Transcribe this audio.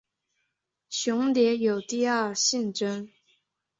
雄蝶有第二性征。